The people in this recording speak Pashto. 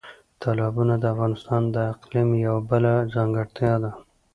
تالابونه د افغانستان د اقلیم یوه بله ځانګړتیا ده.